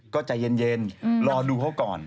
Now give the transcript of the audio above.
ก็ใจเย็นรอดูเขาก่อน